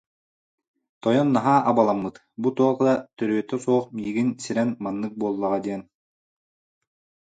Тойон наһаа абаламмыт, бу туох да төрүөтэ суох миигин сирэн маннык буоллаҕа диэн